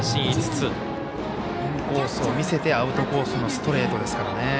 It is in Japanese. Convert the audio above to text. インコースを見せてアウトコースのストレートですからね。